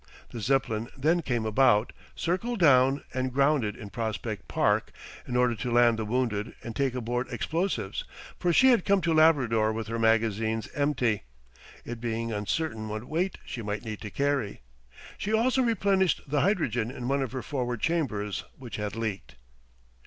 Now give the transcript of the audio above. The Zeppelin then came about, circled down and grounded in Prospect Park, in order to land the wounded and take aboard explosives; for she had come to Labrador with her magazines empty, it being uncertain what weight she might need to carry. She also replenished the hydrogen in one of her forward chambers which had leaked.